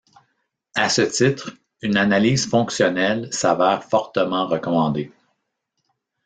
À ce titre une Analyse fonctionnelle s'avère fortement recommandée.